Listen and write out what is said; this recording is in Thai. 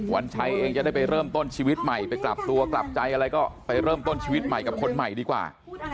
วันชัยเองจะได้ไปเริ่มต้นชีวิตใหม่ไปกลับตัวกลับใจอะไรก็ไปเริ่มต้นชีวิตใหม่กับคนใหม่ดีกว่า